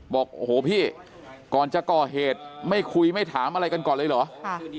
บอกโอ้โหพี่ก่อนจะก่อเหตุไม่คุยไม่ถามอะไรกันก่อนเลยเหรอ